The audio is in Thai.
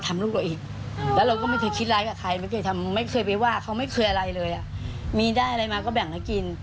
ไม่เคยทำไม่เคยไปว่าเขาไม่เคยอะไรเลยอ่ะมีได้อะไรมาก็แบ่งให้กิน